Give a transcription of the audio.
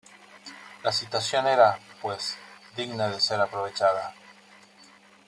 La situación era, pues, digna de ser aprovechada.